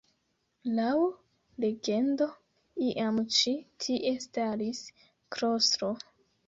Laŭ legendo iam ĉi tie staris klostro.